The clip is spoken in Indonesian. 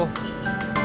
kamu harus tahu